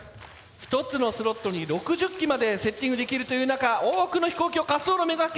１つのスロットに６０機までセッティングできるという中多くの紙飛行機を滑走路目がけて飛ばしていく！